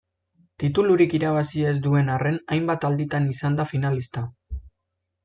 Titulurik irabazi ez duen arren hainbat alditan izan da finalista.